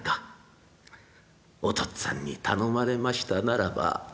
お父っつぁんに頼まれましたならば。